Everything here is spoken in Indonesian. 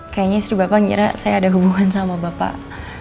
kayaknya istri bapak ngira saya ada hubungan sama bapak